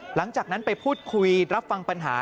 หลังจากนั้นไปพูดคุยรับฟังปัญหา